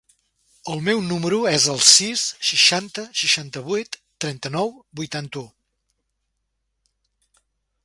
El meu número es el sis, seixanta, seixanta-vuit, trenta-nou, vuitanta-u.